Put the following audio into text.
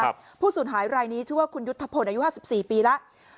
ผู้สูญหายรายนี้ชื่อว่าคุณยุทธพลอายุห้าสิบสี่ปีแล้ว